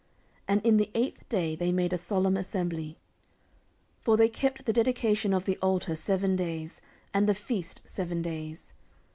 14:007:009 And in the eighth day they made a solemn assembly: for they kept the dedication of the altar seven days, and the feast seven days.